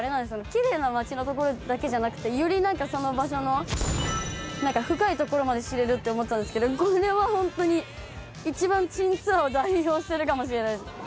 奇麗な街のところだけじゃなくてより何かその場所の何か深いところまで知れるって思ってたんですけどこれはホントに一番珍ツアーを代表するかもしれないです。